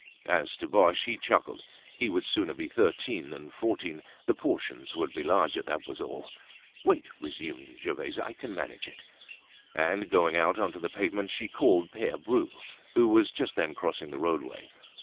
As to Boche, he chuckled. He would sooner be thirteen than fourteen; the portions would be larger, that was all. "Wait!" resumed Gervaise. "I can manage it." And going out on to the pavement she called Pere Bru who was just then crossing the roadway.